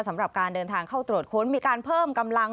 สำหรับการเดินทางเข้าตรวจค้นมีการเพิ่มกำลัง